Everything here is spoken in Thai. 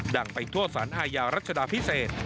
ดั่งไปทั่วสรรค์อาญารัชดาพิเศษ